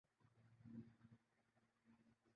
جو مجھ سے کہا جاتا ہے اس کے بر عکس کرتا ہوں